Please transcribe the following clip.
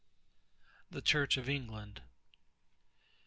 =The Church of England.